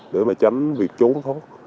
để mà tránh việc trốn thôi